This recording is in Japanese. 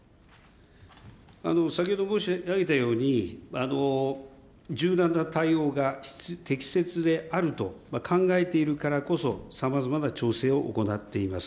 先ほど申し上げたように、柔軟な対応が適切であると考えているからこそ、さまざまな調整を行っています。